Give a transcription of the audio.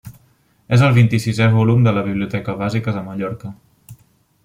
És el vint-i-setè volum de la Biblioteca Bàsica de Mallorca.